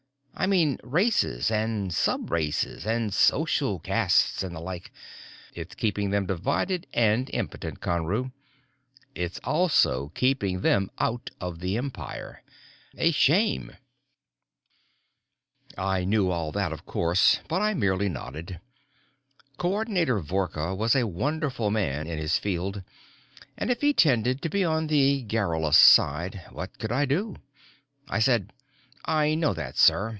I mean races and sub races and social castes and the like; it's keeping them divided and impotent, Conru. It's also keeping them out of the Empire. A shame." I knew all that, of course, but I merely nodded. Coordinator Vorka was a wonderful man in his field, and if he tended to be on the garrulous side, what could I do? I said, "I know that, sir.